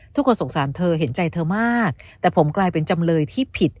ทุกคนสงสารเธอเห็นใจเธอมากแต่ผมกลายเป็นจำเลยที่ผิด